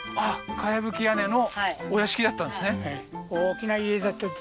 茅葺き屋根のお屋敷だったんですね